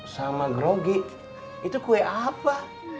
sama grogi itu kue apa